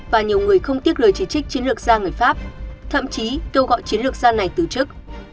và nhiều người không tiếc lời chỉ trích chiến lược gia người pháp thậm chí kêu gọi chiến lược gia này từ chức